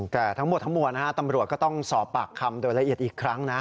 แต่ทั้งหมดทั้งมวลนะฮะตำรวจก็ต้องสอบปากคำโดยละเอียดอีกครั้งนะ